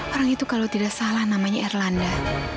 orang itu kalau tidak salah namanya erlanda